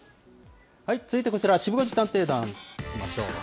続いてこちら、シブ５時探偵団いきましょう。